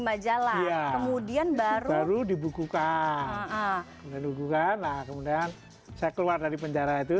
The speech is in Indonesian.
majalah kemudian baru dibukukan dan hubungan nah kemudian saya keluar dari penjara itu